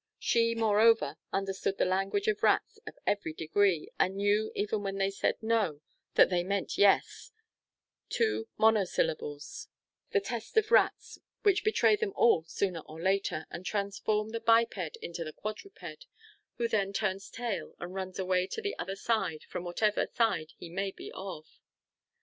She, moreover, understood the language of rats of every degree, and knew even when they said "No," that they meant "Yes," two monosyllables, the test of rats, which betray them all sooner or later, and transform the biped into the quadruped, who then turns tail, and runs always to the other side, from whatever side he may be of.